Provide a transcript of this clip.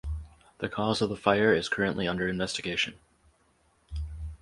The cause of the fire is currently under investigation.